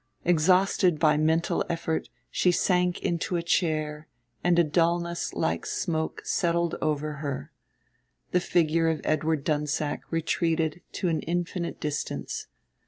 Exhausted by mental effort she sank into a chair and a dullness like smoke settled over her. The figure of Edward Dunsack retreated to an infinite distance.